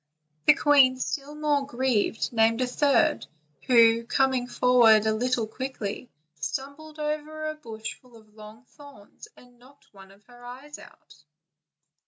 The queen, still more grieved, named a third, who, coming forward a little quickly, stumbled over a bush full of long thorns and knocked one of her eyes out.